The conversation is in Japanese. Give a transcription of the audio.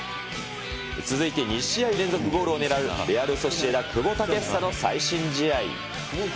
続いて２試合連続ゴールを狙う、レアル・ソシエダ、久保建英の最新試合。